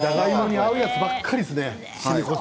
じゃがいもに合うやつばっかりですね。